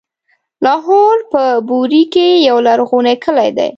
لاهور په بوري کې يو لرغونی کلی دی.